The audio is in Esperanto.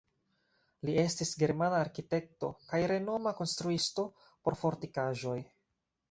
Li estis germana arkitekto kaj renoma konstruisto por fortikaĵoj.